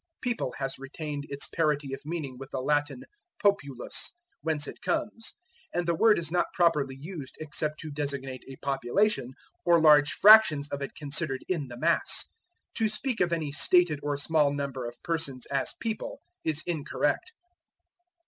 People has retained its parity of meaning with the Latin populus, whence it comes, and the word is not properly used except to designate a population, or large fractions of it considered in the mass. To speak of any stated or small number of persons as people is incorrect.